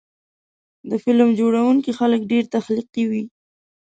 د فلم جوړوونکي خلک ډېر تخلیقي وي.